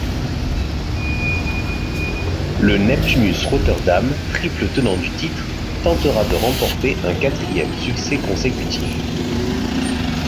Le Neptunus Rotterdam, triple tenant du titre, tentera de remporter un quatrième succès consécutif.